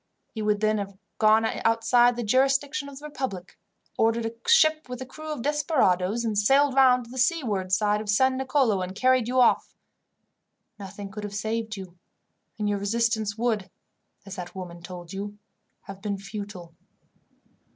He would then have gone outside the jurisdiction of the republic, obtained a ship with a crew of desperadoes, sailed round to the seaward side of San Nicolo, and carried you off. Nothing could have saved you, and your resistance would, as that woman told you, have been futile."